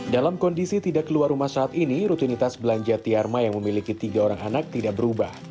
dalam kondisi tidak keluar rumah saat ini rutinitas belanja tiarma yang memiliki tiga orang anak tidak berubah